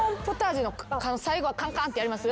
最後カンカンってやります？